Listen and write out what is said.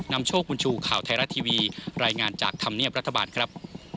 นำโชคบุญชูข่าวไทยรัฐทีวีรายงานจากธรรมเนียบรัฐบาลครับ